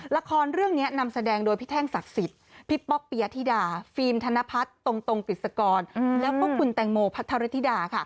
ละครเรื่องนี้นำแสดงโดยพี่แท่งศักดิ์สิทธิ์พี่ป๊อกปิยธิดาฟิล์มธนพัฒน์ตรงกฤษกรแล้วก็คุณแตงโมพัทรธิดาค่ะ